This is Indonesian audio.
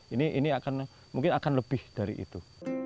ini akan mungkin akan lebih dari itu